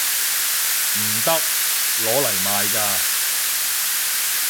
唔得！攞嚟賣㗎